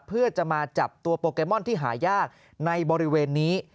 เพื่อจะมาจับตัวโปเกมอนที่หายากในบริเวณนี้